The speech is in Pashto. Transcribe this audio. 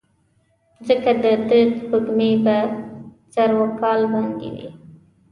ځکه دده سپېږمې به سر وکال بندې وې.